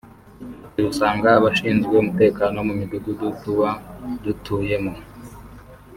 Ati “Usanga abashinzwe umutekano mu Midugudu tuba dutuyemo